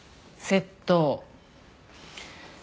窃盗。